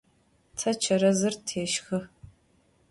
Te çerezır teşşxı.